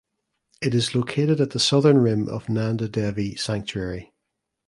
It is located at the southern rim of Nanda Devi Sanctuary.